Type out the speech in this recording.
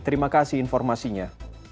terima kasih informasinya